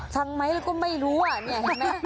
ฟังไหมวะก็ไม่รู้อ่ะเห็นไหม